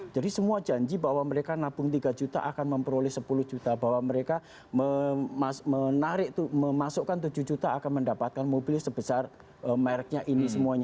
semua janji bahwa mereka nabung tiga juta akan memperoleh sepuluh juta bahwa mereka menarik memasukkan tujuh juta akan mendapatkan mobil sebesar mereknya ini semuanya